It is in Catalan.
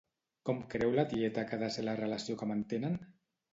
Com creu la tieta que ha de ser la relació que mantenen?